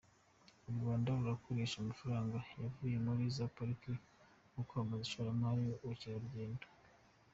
U Rwanda rurakoresha amafaranga yavuye muri za Pariki mu kwamamaza ishoramari n’ubukerarugendo.